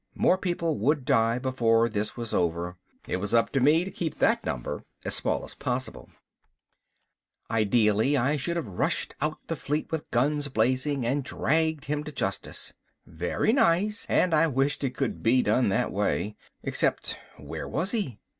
More people would die before this was over, it was up to me to keep that number as small as possible. Ideally I should have rushed out the fleet with guns blazing and dragged him to justice. Very nice, and I wished it could be done that way. Except where was he?